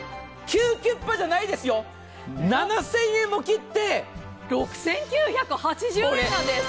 ９９８０じゃないですよ、７０００円も切って６９８０円なんです。